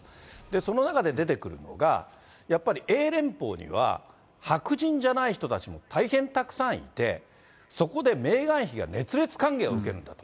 その中で出てくるのが、やっぱり英連邦には、白人じゃない人たちも大変たくさんいて、そこでメーガン妃が熱烈歓迎を受けたと。